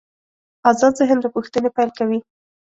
آزاد ذهن له پوښتنې پیل کوي.